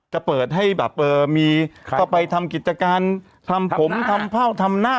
จะเปิดให้แบบมีก็ไปทำกิจการทำผมทำเผ่าทำหน้า